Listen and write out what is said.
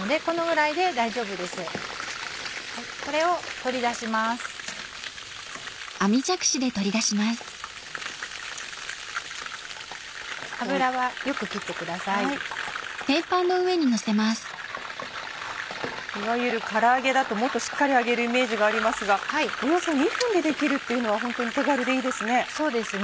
いわゆるから揚げだともっとしっかり揚げるイメージがありますがおよそ２分で出来るっていうのはホントに手軽でいいですね。